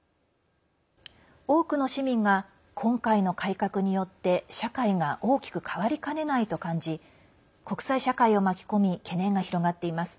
多くの市民が今回の改革によって社会が大きく変わりかねないと感じ国際社会を巻き込み懸念が広がっています。